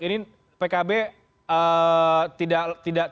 ini pkb tidak langsung kemudian